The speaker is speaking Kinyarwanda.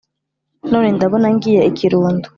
none ndabona ngiye i kirundo